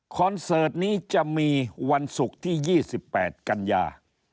เสิร์ตนี้จะมีวันศุกร์ที่๒๘กันยา